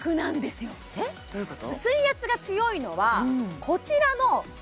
どういうこと？